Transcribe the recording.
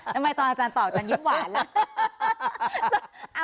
ทำไมตอนนั้นอาจารย์ตอบอาจารย์ยิ้มหวานนะ